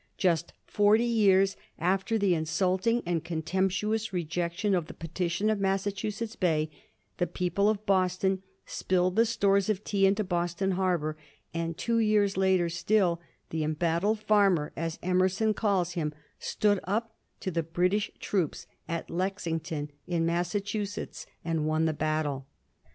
Just forty years after the insulting and contemptuous rejection of the petition of Massachusetts Bay, the people of Boston spilled the stores of tea into Boston harbor, and two years later still the embattled farmer," as Emerson calls him, stood up to the British troops at Lexington, in Massachusetts, and won the battle.